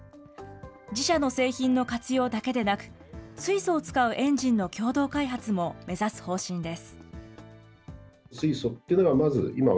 自社の製品の活用だけでなく、水素を使うエンジンの共同開発も目指す方針です。